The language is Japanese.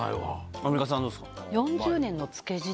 アンミカさんどうですか？